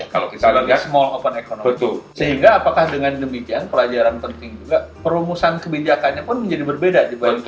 kalau kita lihat sehingga apakah dengan demikian pelajaran penting juga perumusan kebijakannya pun menjadi berbeda